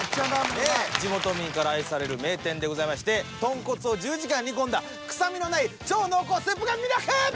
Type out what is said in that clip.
地元民から愛される名店でございまして豚骨を１０時間煮込んだ臭みのない超濃厚スープが魅力！